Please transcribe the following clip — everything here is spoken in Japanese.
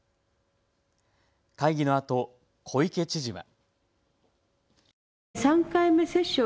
会議のあと小池知事は。